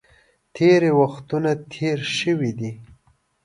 تېرې وختونه تېر شوي دي.